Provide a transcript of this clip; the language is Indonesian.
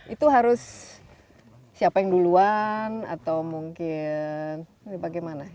itu harus siapa yang duluan atau mungkin bagaimana